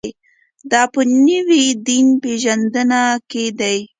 دا په نوې دین پېژندنه کې ده.